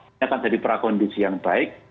ini akan jadi prakondisi yang baik